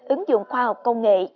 ứng dụng khoa học công nghệ